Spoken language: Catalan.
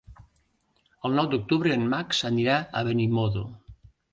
El nou d'octubre en Max anirà a Benimodo.